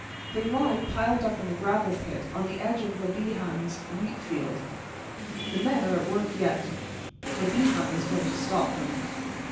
They lie piled up in the gravel pit on the edge of Le Bihan's wheat field. The men are at work yet. Le Bihan is going to stop them."